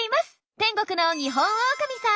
天国のニホンオオカミさん。